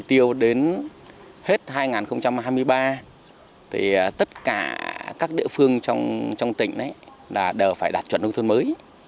mục tiêu đến hết hai nghìn hai mươi ba tất cả các địa phương trong tỉnh đều phải đạt chuẩn nông thôn mới